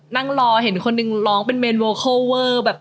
นั่งรอเห็นคนหนึ่งร้องเป็นเมนโวโคเวอร์แบบ